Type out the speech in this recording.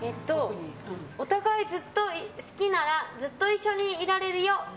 お互い、ずっと好きならずっと一緒にいられるよ。